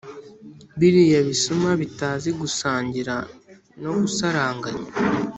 Biriya bisuma bitazi gusangira no gusaranganya